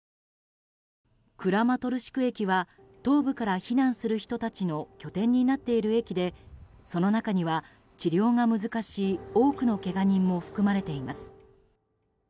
クラマトルシク駅は東部から避難する人たちの拠点になっている駅でその中には治療が難しい多くのけが人も含まれています。